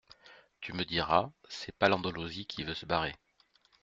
Tu me diras c’est pas l’Andalousie qui veut se barrer,